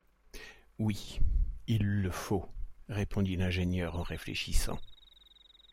Oui… il le faut… répondit l’ingénieur en réfléchissant